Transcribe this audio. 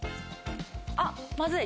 あっまずい。